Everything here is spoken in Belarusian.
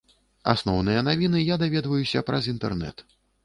Асноўныя навіны я даведваюся праз інтэрнэт.